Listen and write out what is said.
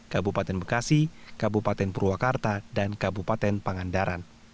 kabupaten bekasi kabupaten purwakarta dan kabupaten pangandaran